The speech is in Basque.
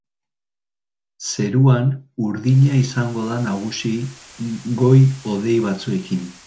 Zeruan urdina izango da nagusi, goi-hodei batzuekin.